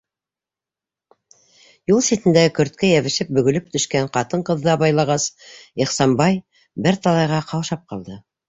Юл ситендәге көрткә йәбешеп бөгөлөп төшкән ҡатын- ҡыҙҙы абайлағас, Ихсанбай бер талайға ҡаушап ҡалды.